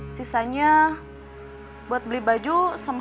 sisanya buat beli baju sama hp baru